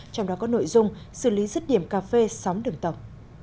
trong đó có nội dung xử lý rứt điểm cà phê sóng đường tộc